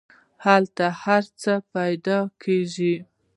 هلته هر څه پیدا کیږي.